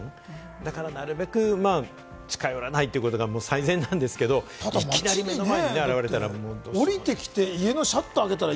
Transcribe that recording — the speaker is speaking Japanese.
だからなるべく近寄らないということが最善なんですけれども、いきなり目の前に現れたらね、どうしようもない。